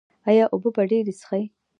ایا اوبه به ډیرې څښئ؟